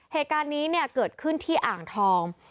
เหตุการณ์นี้เนี่ยเกิดขึ้นที่อ่างทอง